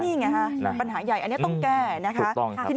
นี่ไงฮะปัญหาใหญ่อันนี้ต้องแก้นะคะ